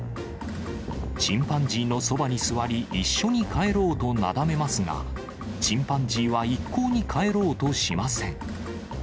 チンパンジーのそばに座り、一緒に帰ろうとなだめますが、チンパンジーは一向に帰ろうとしません。